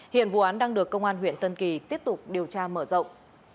hiện vụ án đang được công an huyện tân kỳ tiếp tục điều tra mở rộng